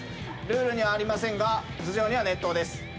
ルールにはありませんが頭上には熱湯です。